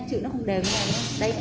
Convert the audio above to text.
chữ nó không đều như thế này nhá